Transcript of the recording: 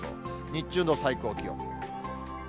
日中の最高気温。